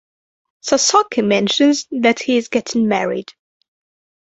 Sasaki mentions that he is getting married.